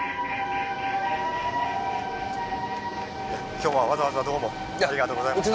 今日はわざわざどうもありがとうございました。